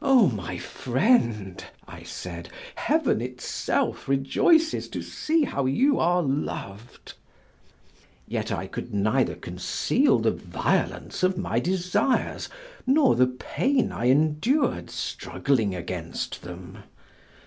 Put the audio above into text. "Oh! my friend!" I said. "Heaven itself rejoices to see how you are loved." Yet I could neither conceal the violence of my desires, nor the pain I endured struggling against them.